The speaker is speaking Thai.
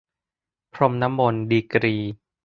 พรมน้ำมนต์ ดีกรี